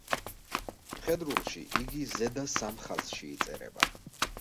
მხედრულში იგი ზედა სამ ხაზში იწერება.